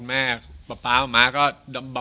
จะรักเธอเพียงคนเดียว